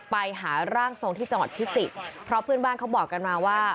ไปหาร่างทรงที่จังหวัดพิจิตรเพราะเพื่อนบ้านเขาบอกกันมาว่า